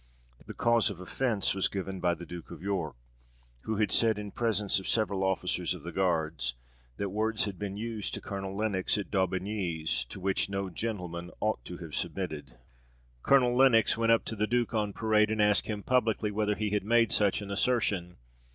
The cause of offence was given by the Duke of York, who had said in presence of several officers of the Guards, that words had been used to Colonel Lenox at Daubigny's to which no gentleman ought to have submitted. Colonel Lenox went up to the duke on parade, and asked him publicly whether he had made such an assertion.